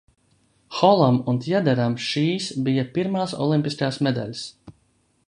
Holam un Tjaderam šīs bija pirmās olimpiskās medaļas.